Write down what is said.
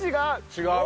違う！